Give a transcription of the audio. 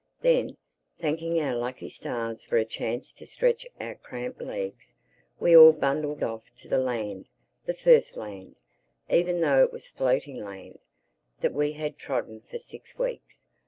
Then, thanking our lucky stars for a chance to stretch our cramped legs, we all bundled off on to the land—the first land, even though it was floating land, that we had trodden for six weeks.